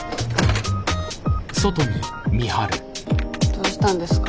どうしたんですか？